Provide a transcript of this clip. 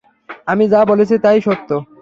আমি যা বলেছি তাই সত্য।